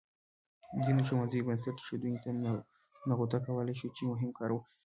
ځینو ښوونځیو بنسټ ایښودنې ته نغوته کولای شو چې مهم کار و.